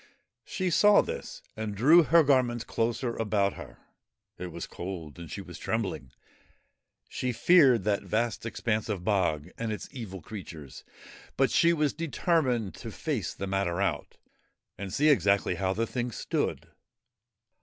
She saw this and drew her garments closer about her. It was cold, and she was trembling. She feared that vast expanse of bog and its evil creatures, but she was determined to face the matter out and see exactly how the thing stood.